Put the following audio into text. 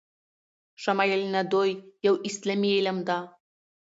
شمایل ندوی یو اسلامي علم ده